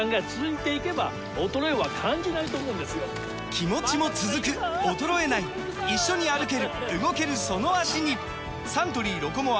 気持ちも続く衰えない一緒に歩ける動けるその脚にサントリー「ロコモア」！